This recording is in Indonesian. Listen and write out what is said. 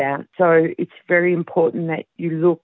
jadi sangat penting anda melihat dengan jelas